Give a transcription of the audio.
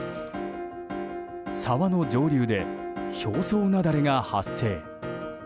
沢の上流で表層雪崩が発生。